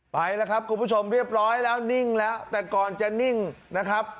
ไปแล้วครับคุณผู้ชมเรียบร้อยแล้วนิ่งแล้วแต่ก่อนจะนิ่งนะครับ